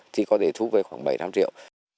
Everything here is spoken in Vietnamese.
thì có thể thu về khoảng bảy năm triệu